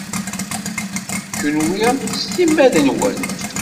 Kunwi s timmad-nwen.